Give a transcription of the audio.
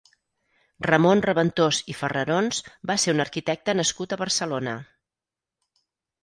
Ramon Reventós i Farrarons va ser un arquitecte nascut a Barcelona.